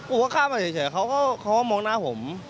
ผมก็ข้ามมาเฉยเขาก็มองหน้าผม